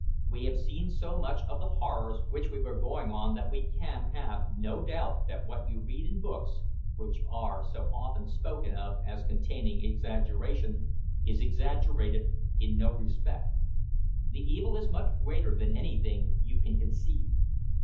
We have seen so much of the horrors which were going on that we can have no doubt that what you read in books, which are so often spoken of as containing exaggerations, is exaggerated in no respect. The evil is much greater than anything you can conceive.